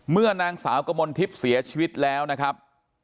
เมื่อนางสาวกมลทิพย์เสียชีวิตแล้วนะครับ